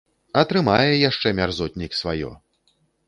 Атрымае яшчэ мярзотнік сваё.